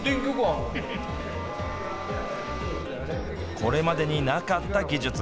これまでになかった技術。